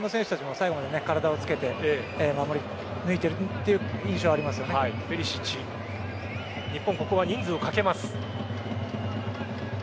最後まで体をつけて守り抜いているという日本、ここは人数をかけます。